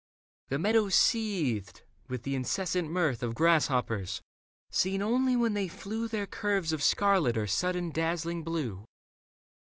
The meadows seethed with the incessant mirth Of grasshoppers, seen only when they flew Their curves of scarlet or sudden dazzling blue.